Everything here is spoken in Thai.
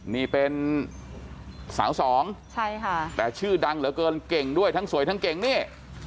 นี่เป็นสาวสองใช่ค่ะแต่ชื่อดังเหลือเกินเก่งด้วยทั้งสวยทั้งเก่งนี่